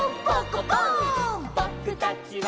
「ぼくたちは」